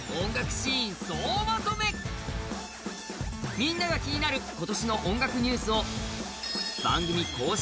みんなが気になる今年の音楽ニュースを番組公式